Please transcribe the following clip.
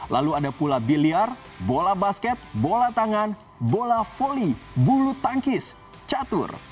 lalu ada pula biliar bola basket bola tangan bola volley bulu tangkis catur